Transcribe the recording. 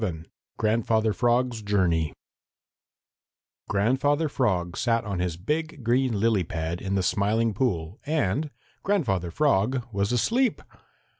XI GRANDFATHER FROG'S JOURNEY Grandfather Frog sat on his big green lily pad in the Smiling Pool and Grandfather Frog was asleep!